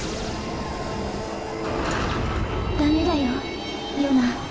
ダメだよヨナ。